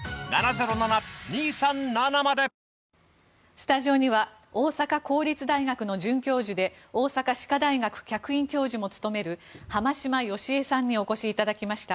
スタジオには大阪公立大学の准教授で大阪歯科大学客員教授も務める濱島淑惠さんにお越しいただきました。